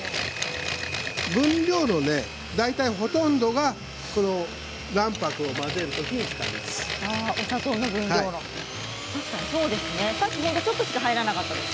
分量の大体、ほとんどが卵白を混ぜるときに使います。